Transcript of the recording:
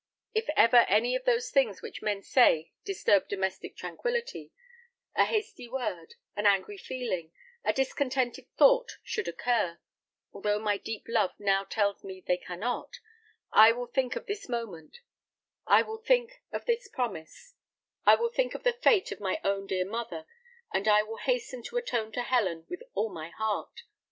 If ever any of those things which men say disturb domestic tranquillity: a hasty word, an angry feeling, a discontented thought should occur, although my deep love now tells me they cannot, I will think of this moment; I will think of this promise; I will think of the fate of my own dear mother; and I will hasten to atone to Helen with all my heart.